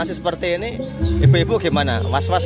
seperti ini ibu gimana